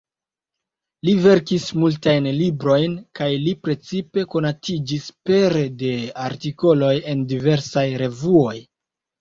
Li verkis malmultajn librojn, kaj li precipe konatiĝis pere de artikoloj en diversaj revuoj.